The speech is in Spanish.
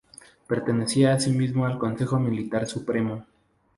Pertenecía asimismo al Consejo Militar Supremo.